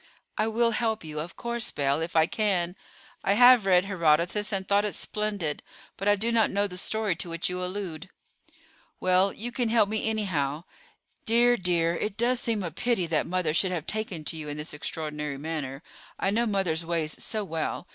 "I will help you of course, Belle, if I can. I have read Herodotus, and thought it splendid; but I do not know the story to which you allude." "Well, you can help me, anyhow. Dear, dear, it does seem a pity that mother should have taken to you in this extraordinary manner. I know mother's ways so well.